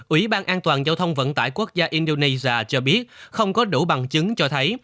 ủy ban an toàn giao thông vận tải quốc gia indonesia cho biết không có đủ bằng chứng cho thấy